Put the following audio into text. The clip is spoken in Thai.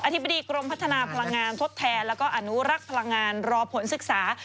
ธิบดีกรมพัฒนาพลังงานทดแทนแล้วก็อนุรักษ์พลังงานรอผลศึกษา